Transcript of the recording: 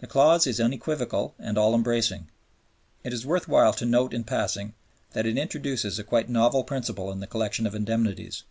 The clause is unequivocal and all embracing. It is worth while to note in passing that it introduces a quite novel principle in the collection of indemnities.